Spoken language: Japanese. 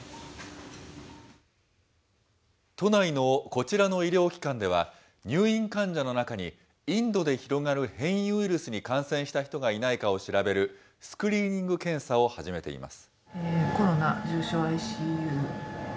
都内のこちらの医療機関では、入院患者の中にインドで広がる変異ウイルスに感染した人がいないかを調べる、スクリーニング検査を始めています。